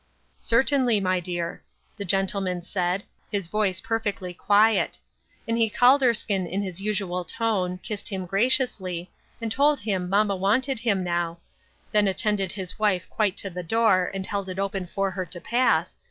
" Certainly, my dear, " the gentleman said, his voice perfectly quiet ; and he called Erskine in his usual tone, kissed him graciously, and told him mamma wanted him now, then attended his wife quite to the door, and held it open for her to pass, THE UNEXPECTED.